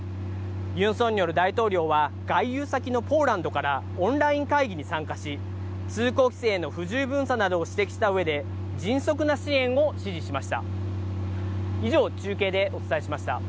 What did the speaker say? ユン・ソンニョル大統領は、外遊先のポーランドから、オンライン会議に参加し、通行規制の不十分さなどを指摘したうえで、迅速な支援を指示しました。